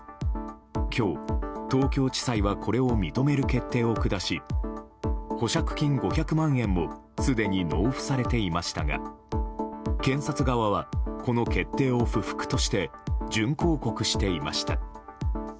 今日、東京地裁はこれを認める決定を下し保釈金５００万円もすでに納付されていましたが検察側はこの決定を不服として準抗告していました。